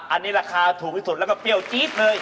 อันนี้ราคาถูกที่สุดแล้วก็เปรี้ยวจี๊ดเลย